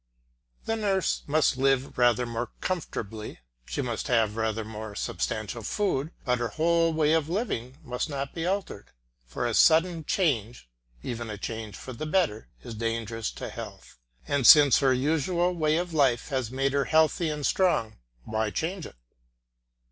The nurse must live rather more comfortably, she must have rather more substantial food, but her whole way of living must not be altered, for a sudden change, even a change for the better, is dangerous to health, and since her usual way of life has made her healthy and strong, why change it?